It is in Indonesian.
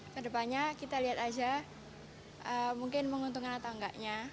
kedepannya kita lihat aja mungkin menguntungkan atau enggaknya